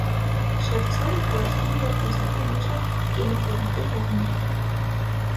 Շևցովը խորհրդային և ռուսական մի շարք կինոֆիլմերի հեղինակ է։